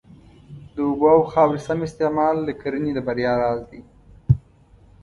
د اوبو او خاورې سم استعمال د کرنې د بریا راز دی.